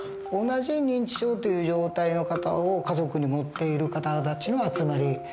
同じ認知症という状態の方を家族に持っている方たちの集まり